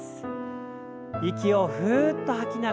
息をふっと吐きながら。